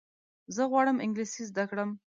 زه غواړم انګلیسي زده کړم.